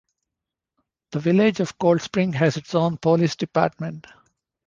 The village of Cold Spring has its own police department.